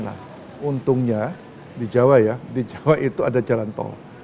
nah untungnya di jawa ya di jawa itu ada jalan tol